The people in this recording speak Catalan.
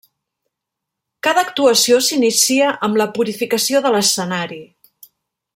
Cada actuació s'inicia amb la purificació de l'escenari.